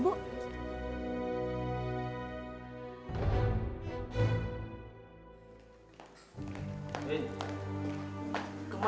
bapak ibu mau ke rumah